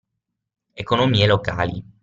Economie locali.